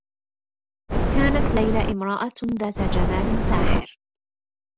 كانت ليلى امرأة ذات جمال ساحر.